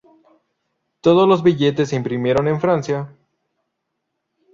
Todos los billetes se imprimieron en Francia.